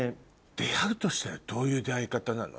出会うとしたらどういう出会い方なの？